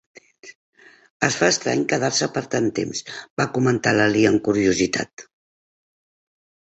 "Es fa estrany quedar-se per tant temps," va comentar l'Ali amb curiositat.